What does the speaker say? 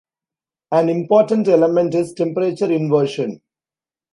An important element is temperature inversion.